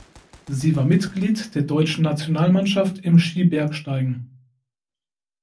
Sie war Mitglied der deutschen Nationalmannschaft im Skibergsteigen.